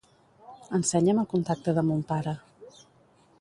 Ensenya'm el contacte de mon pare.